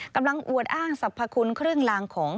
กำลังอวดอ้างสรรพคุณเครื่องรางของ